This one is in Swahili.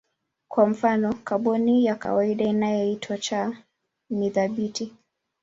Kwa mfano kaboni ya kawaida inayoitwa C ni thabiti.